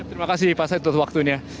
terima kasih pak said atas waktunya